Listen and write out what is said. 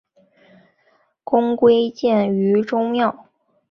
公归荐于周庙。